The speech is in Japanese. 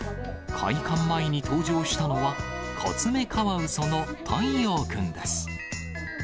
開館前に登場したのは、コツメカワウソのたいようくんです。